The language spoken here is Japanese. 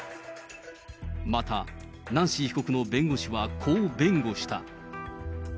また、ナンシー被告の弁護士はこう弁護した。